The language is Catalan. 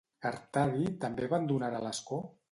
Artadi també abandonarà l'escó?